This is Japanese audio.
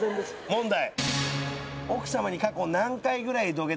問題。